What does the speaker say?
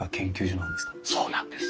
そうなんです。